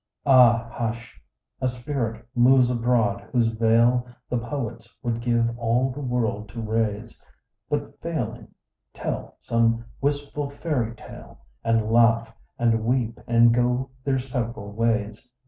Ah, hush! A spirit moves abroad, whose veil The poets would give all the world to raise, But, failing, tell some wistful fairy tale, And laugh, and weep, and go their several ways.